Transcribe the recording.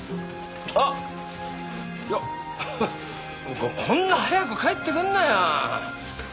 あっいやこんな早く帰ってくるなよ。